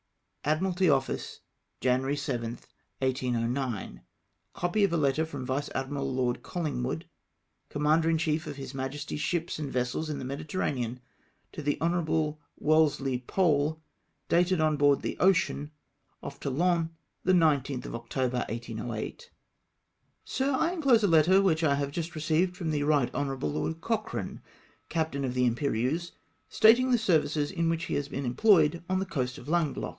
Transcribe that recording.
'• Admiralty Office, Jan. 7th, LS09. " Copy of a Letter from Vice Admiral Lord Collingwood, Com mander in Chief of His Majestifs ships and vessels in the Medi terranean^ to the Hon. Welleslky Pole, dated on board the Ocean, off Toulon, the 10th of October, 1808. " Sir, — I enclose a letter which I have just received from the Eight Honourable Lord Cochrane, captain of the Imperieuse, stating the services in which he has been employed on the coast of Languedoc.